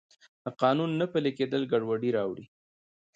د قانون نه پلی کیدل ګډوډي راوړي.